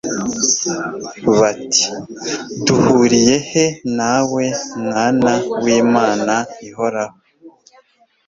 bati : «Duhuriye he nawe Mwana w'Imana ihoraho?